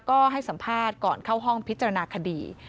ก็ให้สัมภาษณ์ก่อนเข้าห้องพิจารณาคดี